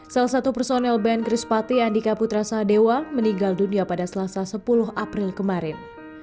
salah satu personel band chris pati andika putra sadewa meninggal dunia pada selasa sepuluh april kemarin